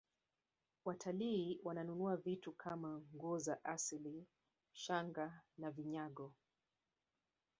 watalii wananunua vitu Kama nguo za asili shanga na vinyago